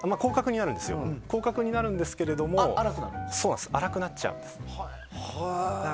まあ広角になるんですが粗くなっちゃうんです。